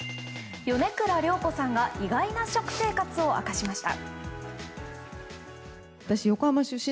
米倉涼子さんが意外な食生活を明かしました。